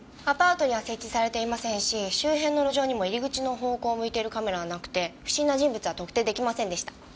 アパートには設置されていませんし周辺の路上にも入り口の方向を向いているカメラはなくて不審な人物は特定出来ませんでした。